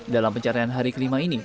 dalam pencarian hari kelima ini